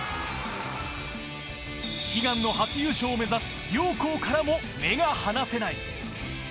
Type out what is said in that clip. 悲願の初優勝を目指す両校からも目が離せない。